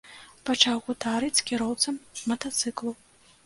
Пачаў гутарыць з кіроўцам матацыклу.